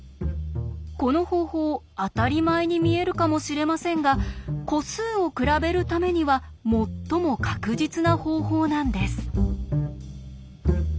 この方法当たり前に見えるかもしれませんが個数を比べるためには最も確実な方法なんです。